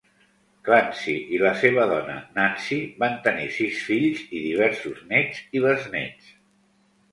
Clancy i la seva dona, Nancy, van tenir sis fills i diversos néts i besnéts.